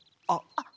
あっ。